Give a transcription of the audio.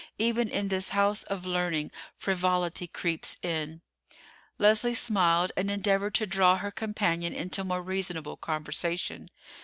Even in this house of learning frivolity creeps in." Leslie smiled and endeavored to draw her companion into more reasonable conversation.